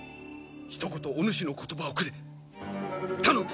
ひと言お主の言葉をくれ。